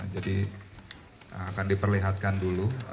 jadi akan diperlihatkan dulu barang buktinya